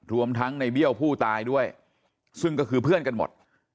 รวมทั้งในเบี้ยวผู้ตายด้วยซึ่งก็คือเพื่อนกันหมด